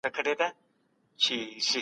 مشران به د وګړو غوښتنو ته غوږ نیسي.